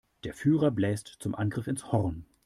Der Führer bläst zum Angriff ins Horn.